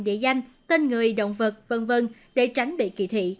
địa danh tên người động vật v v để tránh bị kỳ thị